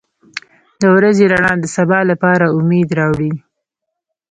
• د ورځې رڼا د سبا لپاره امید راوړي.